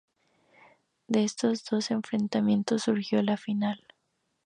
De estos dos enfrentamientos surgió la final.